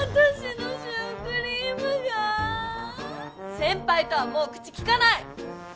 せんぱいとはもう口きかない！